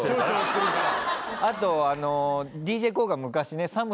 あと。